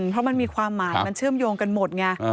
เพราะมันมีความหมายมันเชื่อมโยงกันหมดไง